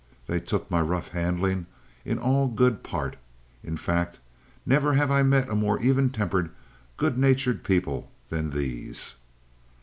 They took my rough handling in all good part, in fact, never have I met a more even tempered, good natured people than these.